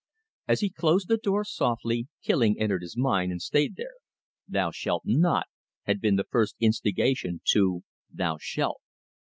As he closed the door softly, killing entered his mind and stayed there. "Thou shalt not" had been the first instigation to "Thou shalt."